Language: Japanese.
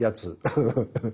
フフフッ。